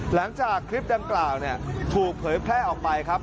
หลังจากคลิปดังกล่าวถูกเผยแพร่ออกไปครับ